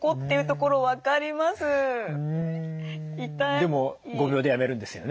でも５秒でやめるんですよね？